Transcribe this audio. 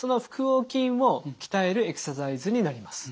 横筋を鍛えるエクササイズになります。